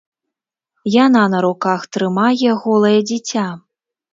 Яна на руках трымае голае дзіця.